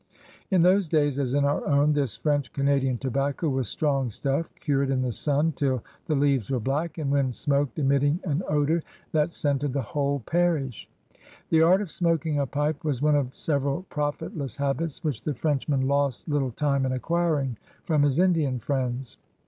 In those days, as in our own, this French Canadian tobacco was strong stuff, ciured in the sun till the leaves were black, and when smoked emitting an odor that scented the whole parish. The art of smoking a pipe was one of several profitless habits which the Frenchman lost little time in acquiring from his Indian friends.